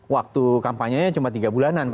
waktu kampanye cuma tiga bulanan